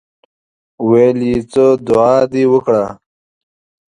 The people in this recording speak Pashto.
ویل یې څه دعا دې وکړه.